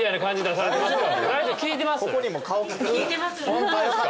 ホントですか？